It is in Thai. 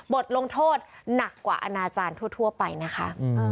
บทลงโทษหนักกว่าอนาจารย์ทั่วไปนะคะ